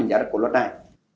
giá đất của luật đai